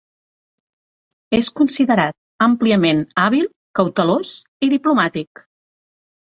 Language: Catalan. És considerat àmpliament hàbil, cautelós i diplomàtic.